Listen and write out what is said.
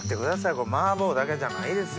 これ麻婆だけじゃないですよ。